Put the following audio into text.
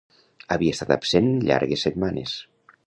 Havia estat absent llargues setmanes.